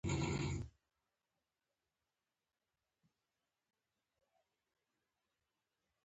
ما قلم او کاغذ ورکړ.